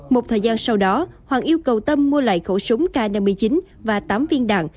một thời gian sau đó hoàng yêu cầu tâm mua lại khẩu súng k năm mươi chín và tám viên đạn